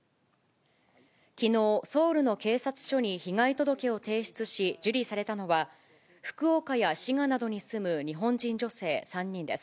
きのう、ソウルの警察署に被害届を提出し、受理されたのは、福岡や滋賀などに住む日本人女性３人です。